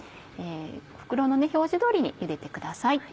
袋の表示通りにゆでてください。